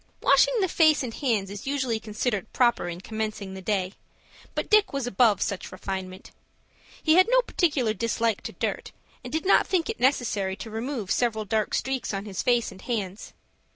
Washing the face and hands is usually considered proper in commencing the day, but Dick was above such refinement. He had no particular dislike to dirt, and did not think it necessary to remove several dark streaks on his face and hands.